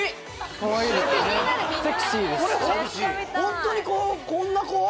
これホントにこんな子？